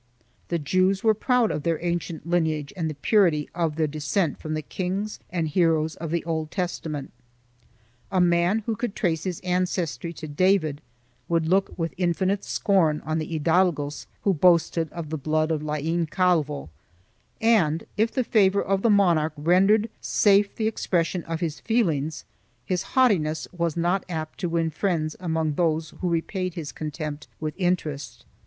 The Jews were proud of their ancient lineage and the purity of their descent from the kings and heroes of the Old Testament. A man who could trace his ancestry to David would look with infinite scorn on the hidalgos who boasted of the blood of Lain Calvo and, if the favor of the monarch rendered safe the expression of his feelings, his haughtiness was not apt to win friends among those who repaid his contempt with interest.